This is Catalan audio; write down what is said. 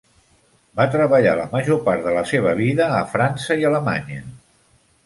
Va treballar la major part de la seva vida a França i Alemanya.